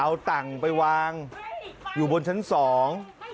เอาตังค์ไปวางอยู่บนชั้นสอง